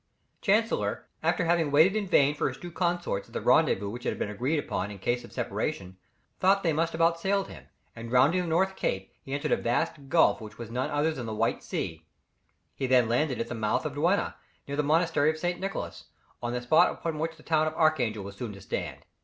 Chancellor, after having waited in vain for his two consorts at the rendezvous which had been agreed upon in case of separation, thought they must have outsailed him, and rounding the North Cape, he entered a vast gulf which was none other than the White Sea; he then landed at the mouth of the Dwina, near the monastery of St. Nicholas, on the spot upon which the town of Archangel was soon to stand.